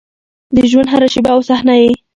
د ژونـد هـره شـيبه او صحـنه يـې